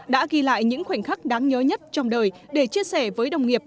đã ghi lại những khoảnh khắc đáng nhớ nhất trong đời để chia sẻ với đồng nghiệp